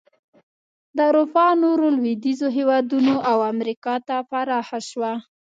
د اروپا نورو لوېدیځو هېوادونو او امریکا ته پراخه شوه.